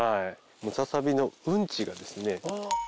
ムササビのうんちがですね。